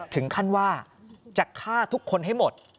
ถึงขั้นว่าจะฆ่าทุกคนให้หมด